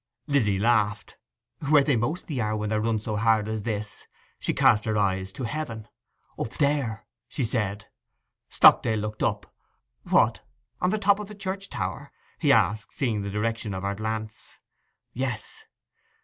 Lizzy laughed. 'Where they mostly are when they're run so hard as this.' She cast her eyes to heaven. 'Up there,' she said. Stockdale looked up. 'What—on the top of the church tower?' he asked, seeing the direction of her glance. 'Yes.